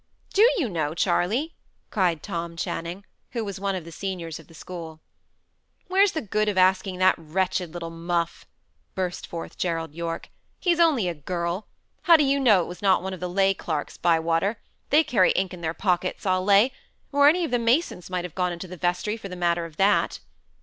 "Do you know, Charley?" cried Tom Channing, who was one of the seniors of the school. "Where's the good of asking that wretched little muff?" burst forth Gerald Yorke. "He's only a girl. How do you know it was not one of the lay clerks, Bywater? They carry ink in their pockets, I'll lay. Or any of the masons might have gone into the vestry, for the matter of that."